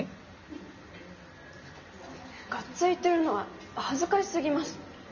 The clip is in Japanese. がっついてるのは恥ずかし過ぎます。